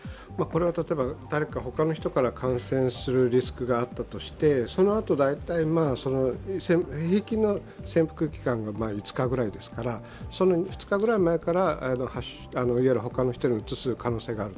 例えば誰か他の人から感染するリスクがあったとしてそのあと、平均の潜伏期間が５日ぐらいですから、その２日ぐらい前から他の人にうつす可能性がある。